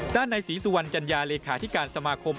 ในศรีสุวรรณจัญญาเลขาธิการสมาคม